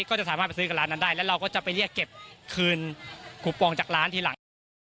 ก็จะสามารถไปซื้อกับร้านนั้นได้แล้วเราก็จะไปเรียกเก็บคืนคูปองจากร้านทีหลัง